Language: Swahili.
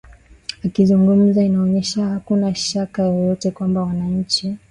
akizungumza inaonyesha hakuna shaka yoyote kwamba wananchi